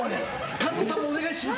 神田さんもお願いします。